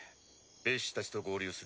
ベッシたちと合流する。